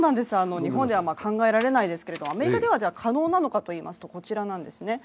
日本では考えられないですけども、アメリカでは可能なのかといいますと、こちらなんですね。